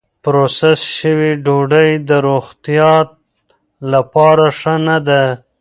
پروسس شوې ډوډۍ د روغتیا لپاره ښه نه ده.